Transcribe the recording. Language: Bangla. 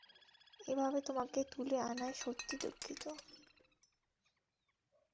এভাবে তোমাকে তুলে আনায় সত্যিই দুঃখিত।